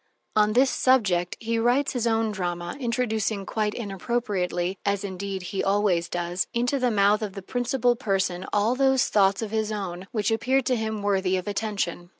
On this subject he writes his own drama, introducing quite inappropriately (as indeed he always does) into the mouth of the principal person all those thoughts of his own which appeared to him worthy of attention.